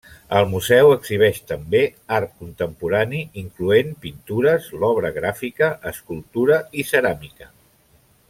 El museu exhibeix també art contemporani incloent pintures, obra gràfica, escultura i ceràmica.